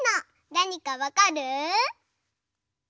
なにかわかる？